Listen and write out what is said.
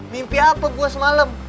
mimpi apa gue semalam